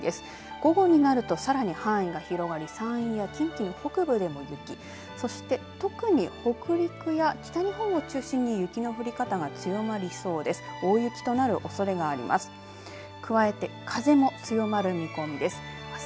午後になるとさらに範囲が広がり山陰や近畿の北部でも雪そして特に北陸や北日本を中心に雪の降り方が強まりそうです。